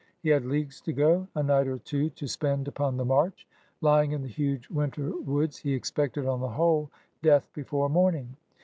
He had leagues to go, a night or two to spend upon the march. Lying in the huge winter woods, he expected, on the whole, death before morning.